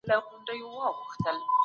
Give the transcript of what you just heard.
د سياست پوهني تګلارې بايد علمي وي.